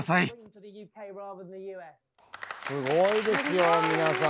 すごいですよ、皆さん。